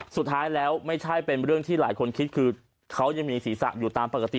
สุดท้ายแล้วไม่ใช่เป็นเรื่องที่หลายคนคิดคือเขายังมีศีรษะอยู่ตามปกติ